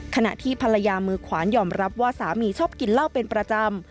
ขณะที่ภรรยามือขวานยอมรับว่าสามีชอบกินเหล้าเป็นประจำ